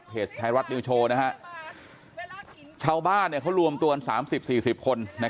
ไทยรัฐนิวโชว์ชาวบ้านเขารวมตัวกัน๓๐๔๐คน